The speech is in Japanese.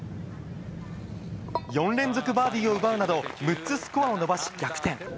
４連続バーディーを奪うなど、６つスコアを伸ばし、逆転。